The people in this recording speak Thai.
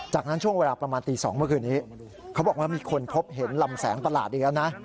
จากนั้นช่วงเวลาประมาณตี๒เมื่อคืนนี้เขาบอกว่ามีคนพบเห็นลำแสงประหลาดอีกแล้วนะ